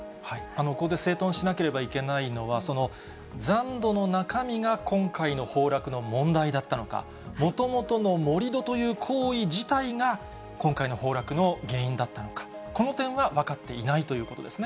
ここで整頓しなければいけないのは、残土の中身が今回の崩落の問題だったのか、もともとの盛り土という行為自体が、今回の崩落の原因だったのか、この点は分かっていないということですね。